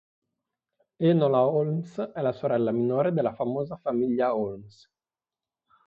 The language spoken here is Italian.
Enola Holmes è la sorella minore della famosa famiglia Holmes.